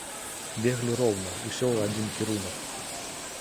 Беглі роўна, усё ў адзін кірунак.